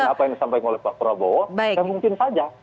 apa yang disampaikan oleh pak prabowo mungkin saja